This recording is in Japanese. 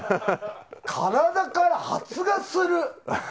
体から発芽する？